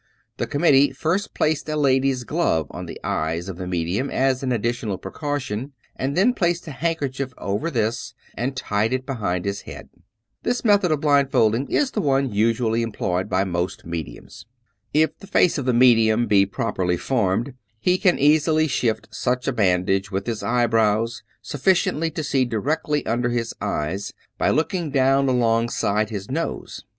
The committee first placed a lady's glove on the eyes of the medium as an additional precaution, and then placed a handkerchief over this and tied it behind his head. This method of blindfolding is the one usually employed by most mediums. If the face of the medium be properly formed, he can easily shift such a bandage with his eyebrows, sufficiently to see directly under his eyes, by looking down alongside his nose.